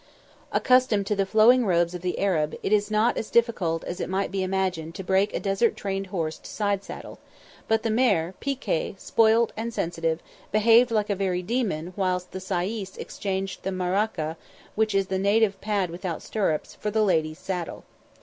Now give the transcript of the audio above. Accustomed to the flowing robes of the Arab, it is not as difficult as it might be imagined to break a desert trained horse to side saddle; but the mare, Pi Kay, spoilt and sensitive, behaved like a very demon whilst the sayis exchanged the ma'araka, which is the native pad without stirrups, for the lady's saddle.